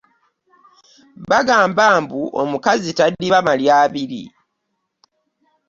Bagamba mbu omukazi tadiba malya abiri.